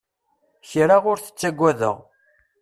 Kra ur tettagadeɣ.